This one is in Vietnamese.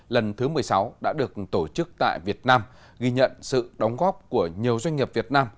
lần thứ một mươi sáu đã được tổ chức tại việt nam ghi nhận sự đóng góp của nhiều doanh nghiệp việt nam